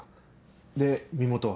で身元は？